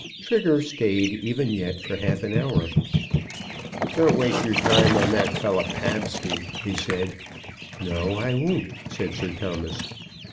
Trigger stayed even yet for half an hour. "Don't waste your time on that fellow, Pabsby," he said. "No, I won't," said Sir Thomas.